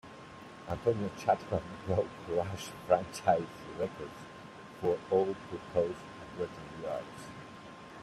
Antonio Chatman broke Rush franchise records for All-Purpose and Return Yards.